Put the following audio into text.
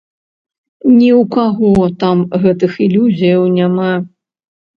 Ні ў каго там гэтых ілюзіяў няма.